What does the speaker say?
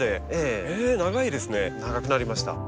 長くなりました。